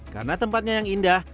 karena tempatnya yang indah